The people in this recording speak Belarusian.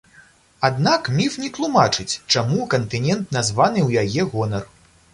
Аднак, міф не тлумачыць, чаму кантынент названы ў яе гонар.